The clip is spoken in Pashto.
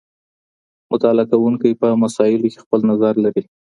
مطالعه کوونکی په مسايلو کي خپل نظر لري.